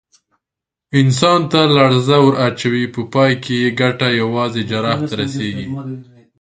انسان ته لړزه ور اچوي، په پای کې یې ګټه یوازې جراح ته رسېږي.